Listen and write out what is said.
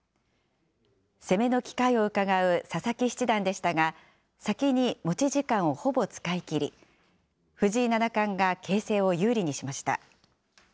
攻めの機会をうかがう佐々木七段でしたが、先に持ち時間をほぼ使い切り、藤井七冠が形勢を有利にしました。